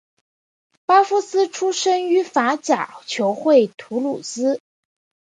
巴夫斯出身于法甲球会图卢兹。